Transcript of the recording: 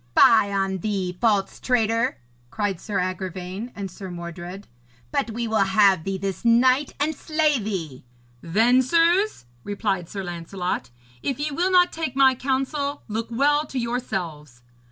'Fie on thee, false traitor,' cried Sir Agravaine and Sir Mordred, 'but we will have thee this night and slay thee.' 'Then, sirs,' replied Sir Lancelot, 'if ye will not take my counsel, look well to yourselves.'